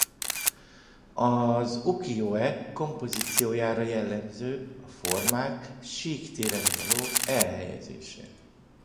Az ukijo-e kompozíciójára jellemző a formák sík téren való elhelyezése.